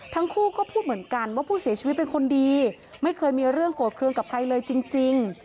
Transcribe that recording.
ทั้งคู่ก็พูดเหมือนกันว่าผู้เสียชีวิตเป็นคนดีไม่เคยมีเรื่องโกรธเครื่องกับใครเลยจริง